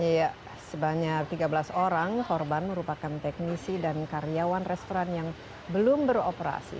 ya sebanyak tiga belas orang korban merupakan teknisi dan karyawan restoran yang belum beroperasi